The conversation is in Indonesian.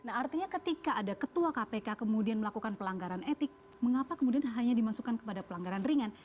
nah artinya ketika ada ketua kpk kemudian melakukan pelanggaran etik mengapa kemudian hanya dimasukkan kepada pelanggaran ringan